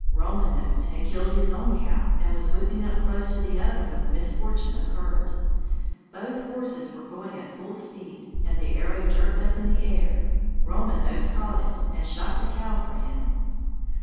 Roman Nose had killed his own cow and was whipping up close to the other when the misfortune occurred. Both horses were going at full speed and the arrow jerked up in the air. Roman Nose caught it and shot the cow for him.